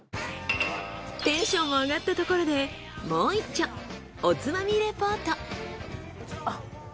テンションも上がったところでもういっちょおつまみレポート。